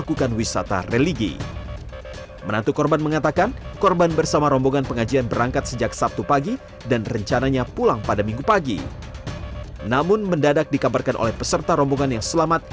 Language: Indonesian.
kecelakaan tunggal ini dalam penanganan satu lantas polres tegal